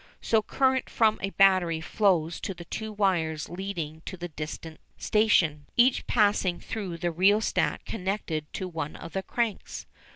So current from a battery flows to the two wires leading to the distant station, each passing through the rheostat connected to one of the cranks.